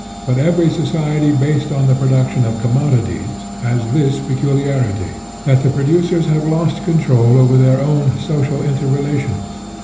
But every society, based upon the production of commodities, has this peculiarity : that the producers have lost control over their own social inter relations.